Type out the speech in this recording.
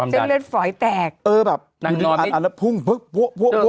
จะเลือดฝอยแตกนางนอนอันแล้วพุ่งพวกอย่างนี้